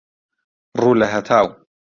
ڕوو لە هەتاو